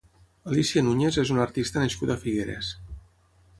Alicia Núñez és una artista nascuda a Figueres.